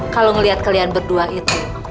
kalau melihat kalian berdua itu